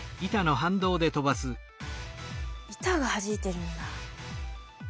板がはじいてるんだ。